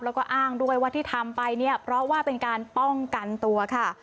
แล้วก็อ้างด้วยว่าที่ทำไปเนี่ยเพราะว่าเป็นการป้องกันตัวค่ะ